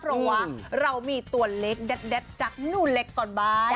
เพราะว่าเรามีตัวเล็กแดดจากหนูเล็กก่อนบ้าง